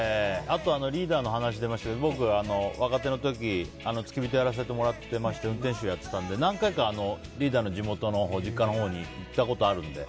あと、リーダーの話出ましたけど僕、若手の時に付き人やらせてもらっていまして運転手をやってたので何回かリーダーの地元ご実家のほうに行ったことあるんで。